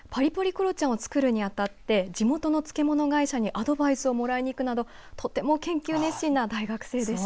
くろちゃんを作るに当たって地元の漬物会社にアドバイスをもらいに行くなどとても研究熱心な大学生でした。